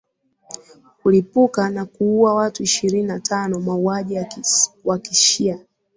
kulipuka na kuua watu ishirini na tano mahujaji wa kishia